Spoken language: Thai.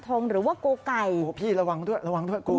ของนายกมสรรปรางทองหรือว่าโกไก่